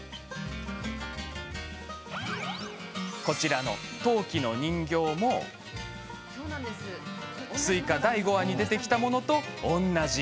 こちらの陶器の人形も「すいか」第５話に出てきたものと同じ。